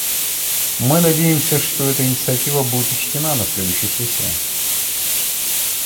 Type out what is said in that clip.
Мы надеемся, что эта инициатива будет учтена на следующей сессии.